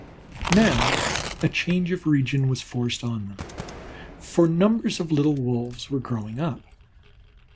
Now a change of region was forced on them, for numbers of little Wolves were growing up.